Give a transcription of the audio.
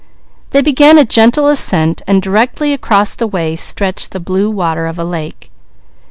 They began a gentle ascent, when directly across their way stretched the blue water of a lake.